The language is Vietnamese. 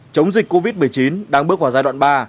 chống dịch covid một mươi chín đang bước vào giai đoạn ba